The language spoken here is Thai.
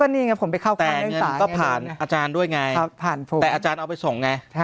แต่เงินก็ผ่านอาจารย์ด้วยไงแต่อาจารย์เอาไปส่งไง